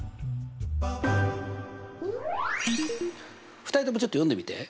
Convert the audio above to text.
２人ともちょっと読んでみて。